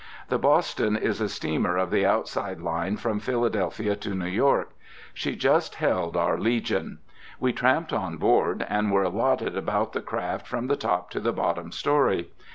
The Boston is a steamer of the outside line from Philadelphia to New York. She just held our legion. We tramped on board, and were allotted about the craft from the top to the bottom story.